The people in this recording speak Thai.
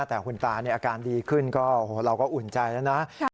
แต่คุณตาอาการดีขึ้นก็เราก็อุ่นใจแล้วนะ